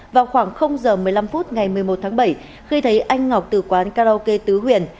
vào khoảng giờ một mươi năm phút ngày một mươi một tháng bảy khi thấy anh ngọc từ quán karaoke tứ huyền